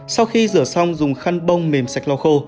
sau khi rửa xong dùng khăn bông mềm sạch la khô